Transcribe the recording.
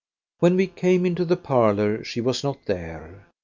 When we came into the parlour she was not there.